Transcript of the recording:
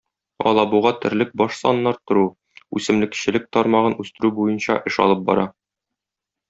Алабуга терлек баш санын арттыру, үсемлекчелек тармагын үстерү буенча эш алып бара.